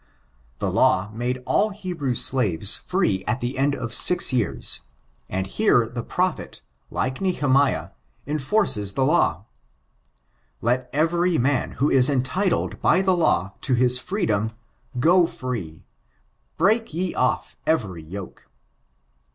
The law made all Hebrew slaves free at die end of six years ; and here the prophet, like N^emiah, enforces the law :" Let every nmn, who is entitled by the law, to Yob freedom, go free — break ye off every yoke.